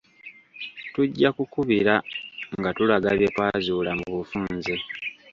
Tujja kukubira nga tulaga bye twazuula mu bufunze.